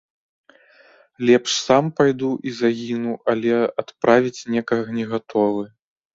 Лепш сам пайду і загіну, але адправіць некага не гатовы.